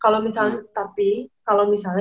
kalau misalnya tapi kalau misalnya